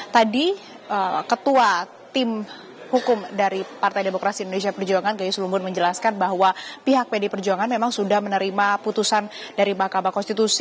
tadi ketua tim hukum dari partai demokrasi indonesia perjuangan gayus lumbun menjelaskan bahwa pihak pd perjuangan memang sudah menerima putusan dari mahkamah konstitusi